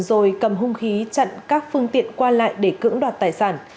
rồi cầm hung khí chặn các phương tiện qua lại để cưỡng đoạt tài sản